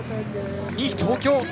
２位に東京。